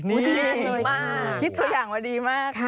นี่คิดตัวอย่างมากดีมาก